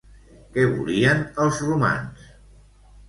Què volien els romans?